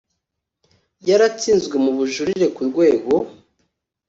yaratsinzwe mu bujurire ku rwego